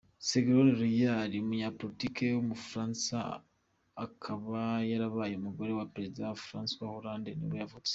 Ségolène Royal, umunyapolitikikazi w’umufaransa akaba yarabaye umugore wa perezida Francois Hollande nibwo yavutse.